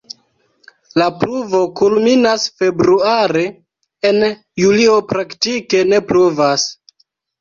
La pluvo kulminas februare, en julio praktike ne pluvas.